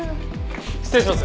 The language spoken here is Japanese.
失礼します。